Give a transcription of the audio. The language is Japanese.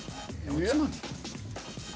「おつまみ」？